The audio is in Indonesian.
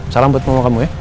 salam buat mama kamu ya